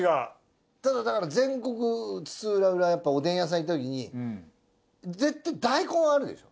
だから全国津々浦々おでん屋さん行ったときに絶対大根はあるでしょ。